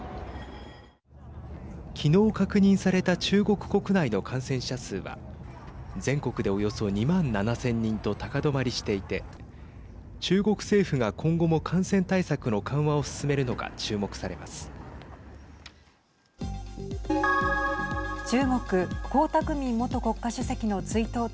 昨日確認された中国国内の感染者数は全国でおよそ２万７０００人と高止まりしていて中国政府が今後も感染対策の緩和を進めるのか注目されます。